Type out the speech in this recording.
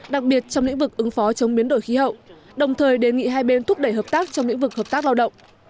đặc biệt trong lĩnh vực ứng phó chống biến đổi khí hậu đồng thời đề nghị hai bên thúc đẩy hợp tác trong lĩnh vực hợp tác lao động